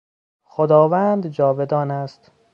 خداوند جاودان است.